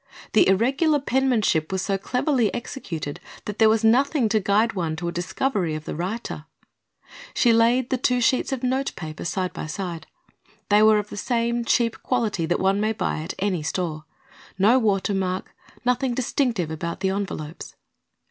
The irregular penmanship was so cleverly executed that there was nothing to guide one to a discovery of the writer. She laid the two sheets of notepaper side by side. They were of the same cheap quality that one may buy at any store. No watermark. Nothing distinctive about the envelopes.